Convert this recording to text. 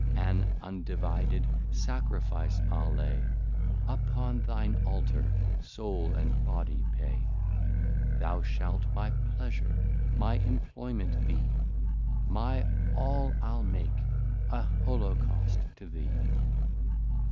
An Undivided Sacrifice I'le lay Upon thine Altar, Soul and Body pay; Thou shalt my Pleasure, my Employment be, My All I'le make a Holocaust to thee.